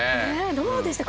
どうでしたか？